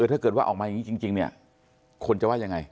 ถ้าเกิดว่าออกมาอย่างนี้จริงเนี่ยคนจะว่ายังไง